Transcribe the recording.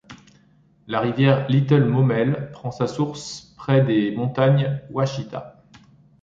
La rivière Little Maumelle prend sa source près des montagnes Ouachita.